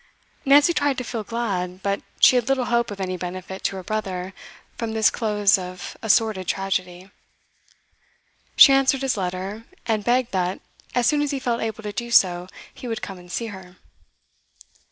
Nancy tried to feel glad, but she had little hope of any benefit to her brother from this close of a sordid tragedy. She answered his letter, and begged that, as soon as he felt able to do so, he would come and see her.